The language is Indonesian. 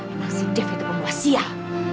emang si dev itu pembawa sial